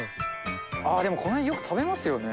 ああでもこの辺よく食べますよね。